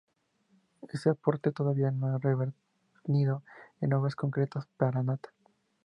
Ese aporte todavía no ha revertido en obras concretas para Natá.